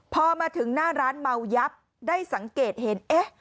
พอมาถึงหน้าร้านเมายับได้สังเกตเห็นเอ๊ะ